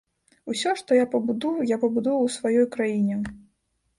Усё, што я пабудую, я пабудую ў сваёй краіне.